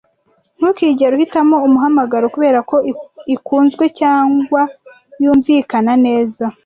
Ntukigere uhitamo umuhamagaro kubera ko ikunzwe cyangwa yumvikana neza.